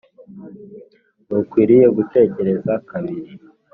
ntukwiriye gutekereza kabiri.